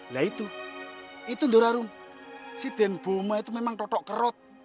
lah itu itu doro arum si deden boma itu memang totok kerot